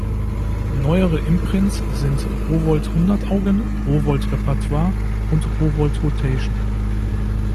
Neuere Imprints sind "Rowohlt Hundert Augen", "Rowohlt repertoire" und "Rowohlt rotation".